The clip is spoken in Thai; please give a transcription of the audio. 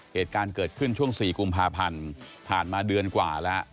เหตุการณ์เกิดขึ้นช่วง๔กุมภาพันธ์ผ่านมาเดือนกว่าแล้ว